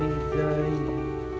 ibu dan bapanya